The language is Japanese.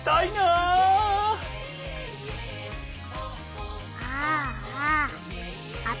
ああ。